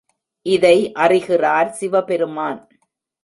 இதை அறிகிறார் சிவபெருமான்.